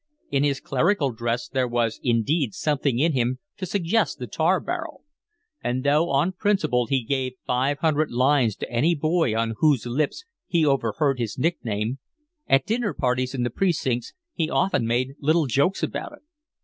In his clerical dress there was indeed something in him to suggest the tar barrel; and though on principle he gave five hundred lines to any boy on whose lips he overheard his nickname, at dinner parties in the precincts he often made little jokes about it.